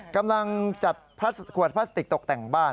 กำลังจัดขวดพลาสติกตกแต่งบ้าน